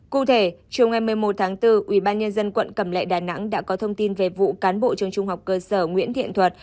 cụ thể trường ngày một mươi một tháng bốn ủy ban nhân dân quận cẩm lệ đà nẵng đã có thông tin về vụ cán bộ trường trung học cơ sở nguyễn thiện thuật